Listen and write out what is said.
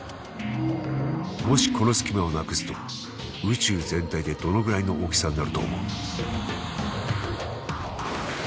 もしこの隙間をなくすと宇宙全体でどのぐらいの大きさになると思う？